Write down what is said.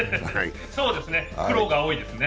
そうですね、苦労が多いですね。